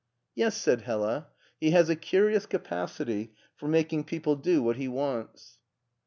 " Yes," said Hella, " he has a curious capacity for making people do what he wants."